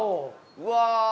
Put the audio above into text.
うわ！